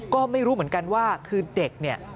ก็ไม่รู้เหมือนกันว่าคือเด็กเนี่ย